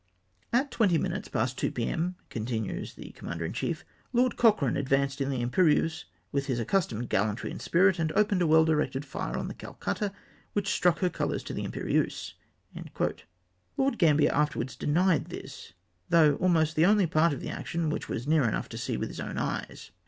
!" At twenty minutes past two, p.m.," continues the commander in chief, " Lord Cochrane advanced in the Iinperieuse, with his accustomed gallantry and spirit, and opened a well directed fire on the Calcutta, which struck her colours to the Imperieuse." Lord Gambler afterwards denied this, though almost the only part of the action which he was near enough to see with liis own eyes